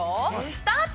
スタート！